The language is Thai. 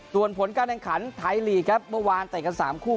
ส่วนผลการแข่งขันไทยลีกครับเมื่อวานเตะกัน๓คู่